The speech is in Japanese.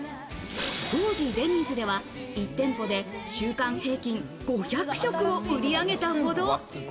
当時デニーズでは１店舗で週間平均５００食を売り上げたほど。